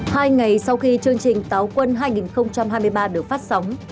hai ngày sau khi chương trình táo quân hai nghìn hai mươi ba được phát sóng